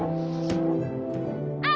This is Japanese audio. あっ。